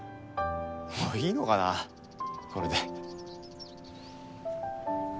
もういいのかなこれで。